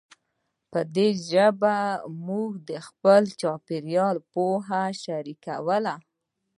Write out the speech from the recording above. په دې ژبه موږ د خپل چاپېریال پوهه شریکوله.